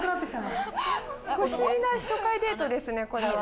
不思議な初回デートですね、これは。